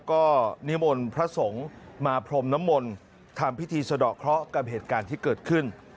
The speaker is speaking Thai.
ก็นิมนต์พระสงฆ์มาพรมน้ำมนต์ทำพิธีสะดอกเคราะห์กับเหตุการณ์ที่เกิดขึ้น